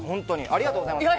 ありがとうございます。